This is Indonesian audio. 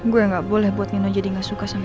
gue gak boleh buat nino jadi ngomong kayak gitu